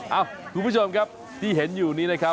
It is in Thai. เอ้าคุณผู้ชมครับที่เห็นอยู่นี้นะครับ